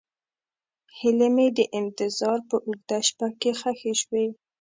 هیلې مې د انتظار په اوږده شپه کې ښخې شوې.